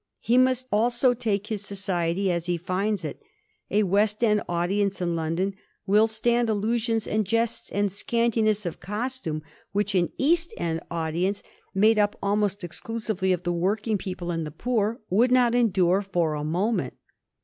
He must also take his society as he finds it. A West End audience in London will stand allusions and jests and scantiness of costume which an East End audience, made up almost exclusively of the working people and the poor, would not endure for a moment.